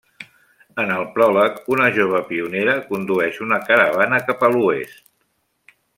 En el pròleg, una jove pionera condueix una caravana cap a l’Oest.